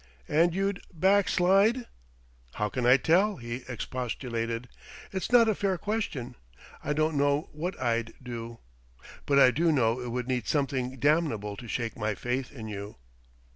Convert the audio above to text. "And you'd backslide ?" "How can I tell?" he expostulated. "It's not a fair question. I don't know what I'd do, but I do know it would need something damnable to shake my faith in you!"